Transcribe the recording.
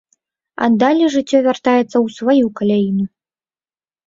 А далей жыццё вяртаецца ў сваю каляіну.